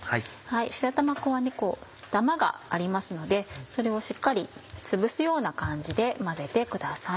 白玉粉はダマがありますのでそれをしっかりつぶすような感じで混ぜてください。